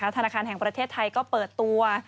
ธนาคารแห่งประเทศไทยก็เปิดตัว